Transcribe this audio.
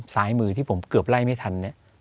ซ้ายมือที่ผมเกือบไล่ไม่ทันเนี่ย